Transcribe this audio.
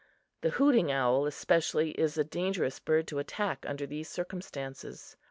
The hooting owl especially is a dangerous bird to attack under these circumstances.